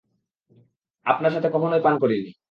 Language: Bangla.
আপনার সাথে কখনই পান করিনি।